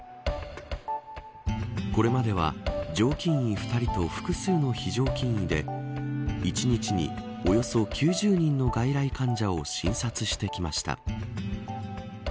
これまでは常勤医２人と複数の非常勤医で１日におよそ９０人の外来患者を診察してきました。